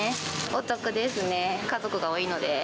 お得ですね、家族が多いので。